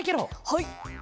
はい。